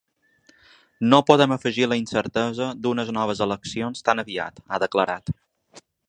No podem afegir la incertesa d’unes noves eleccions tan aviat, ha declarat.